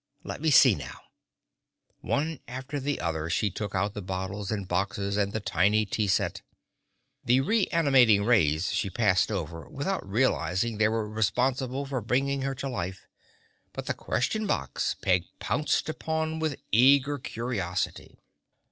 Let me see, now." One after the other, she took out the bottles and boxes and the tiny tea set. The Re animating Rays she passed over, without realizing they were responsible for bringing her to life, but the Question Box, Peg pounced upon with eager curiosity.